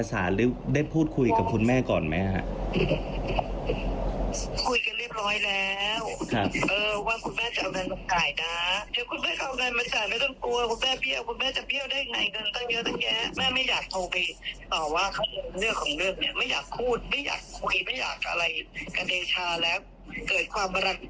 เกิดความรังเกียจเมื่อก็